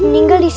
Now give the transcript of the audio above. kamu jangan haim